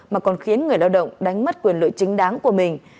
mà còn khiến người lao động đánh mất quyền lợi chính đáng của mình